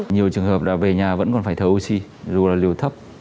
nhiều trường hợp là về nhà vẫn còn phải thở oxy dù là liều thấp